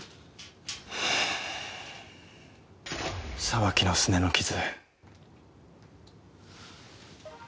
沢木のスネの傷。